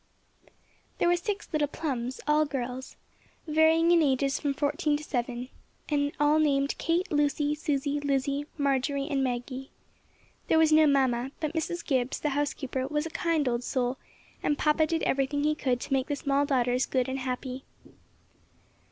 There were six little Plums, all girls, varying in ages from fourteen to seven, and named Kate, Lucy, Susy, Lizzy, Marjory and Maggie. There was no mamma, but Mrs. Gibbs, the housekeeper, was a kind old soul, and papa did everything he could to make the small daughters good and happy.